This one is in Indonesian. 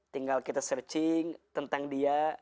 tinggal kita searching tentang dia